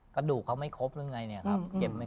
กระดูกเขาไม่ครบหรือไง